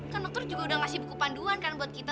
kan dokter juga udah ngasih buku panduan kan buat kita